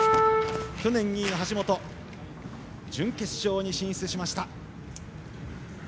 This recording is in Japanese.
去年２位の橋本準決勝に進出しました。